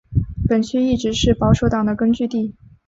本区一直是保守党的根据地。